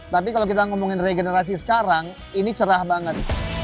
tapi kalau kita ngomongin regenerasi sekarang ini cerah banget